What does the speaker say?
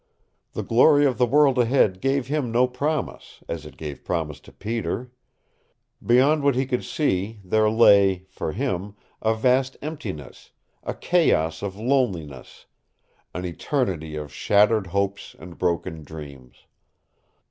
The glory of the world ahead gave him no promise, as it gave promise to Peter. Beyond what he could see there lay, for him, a vast emptiness, a chaos of loneliness, an eternity of shattered hopes and broken dreams.